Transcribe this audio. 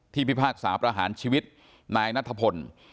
ที่ภิพากษาประหารชีวิตนายณรัฐผล